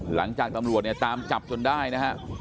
หลังจากตำรวจเนี่ยตามจับจนได้นะฮะ